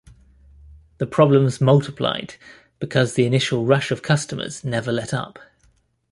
The problems multiplied, because the initial rush of customers never let up.